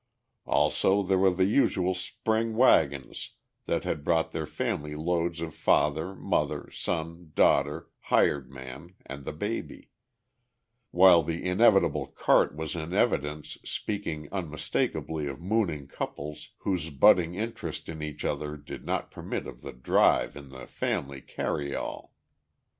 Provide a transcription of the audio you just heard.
Also there were the usual spring wagons that had brought their family loads of father, mother, son, daughter, hired man and the baby; while the inevitable cart was in evidence speaking unmistakably of mooning couples whose budding interest in each other did not permit of the drive in the family carry all.